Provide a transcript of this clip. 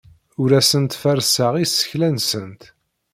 Ur asent-ferrseɣ isekla-nsent.